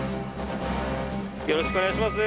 よろしくお願いします。